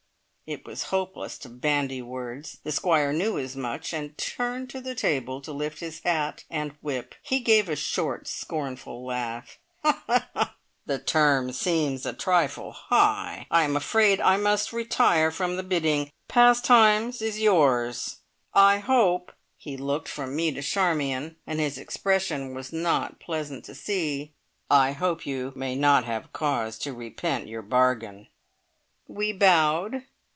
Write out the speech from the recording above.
It was hopeless to bandy words. The Squire knew as much, and turned to the table to lift his hat and whip. He gave a short scornful laugh. "The terms seem a trifle high! I am afraid I must retire from the bidding. Pastimes is yours. I hope" he looked from me to Charmion, and his expression was not pleasant to see "I hope you may not have cause to repent your bargain!" We bowed.